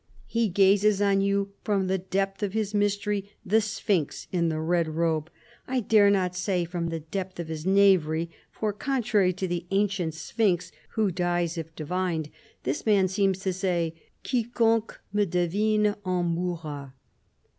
"He gazes on you from the depth of his mystery, the sphinx in the red robe. I dare not say, from the depth of his knavery. For, contrary to the ancient Sphinx, who dies if divined, this man seems to say :' Quiconque me devine en mourra.'